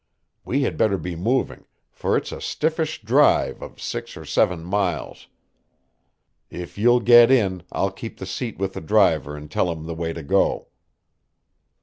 We had better be moving, for it's a stiffish drive of six or seven miles. If you'll get in, I'll keep the seat with the driver and tell him the way to go."